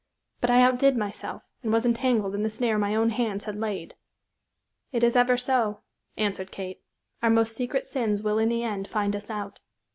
But I outdid myself, and was entangled in the snare my own hands had laid." "It is ever so," answered Kate. "Our most secret sins will in the end find us out."